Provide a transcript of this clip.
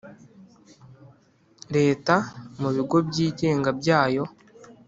Leta mu bigo byigenga byayo